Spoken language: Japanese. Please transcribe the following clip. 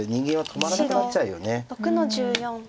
止まらなくなっちゃうよね。